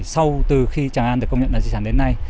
sau khi trang an được công nhận là di sản thế giới